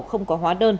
không có hóa đơn